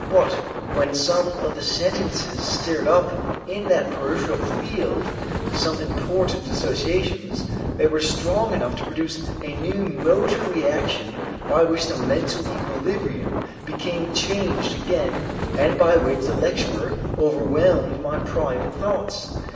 But when some of the sentences stirred up in that peripheral field some important associations, they were strong enough to produce a new motor reaction by which the mental equilibrium became changed again and by which the lecturer overwhelmed my private thoughts.